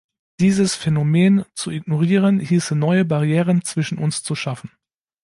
Dieses Phänomen zu ignorieren, hieße neue Barrieren zwischen uns zu schaffen.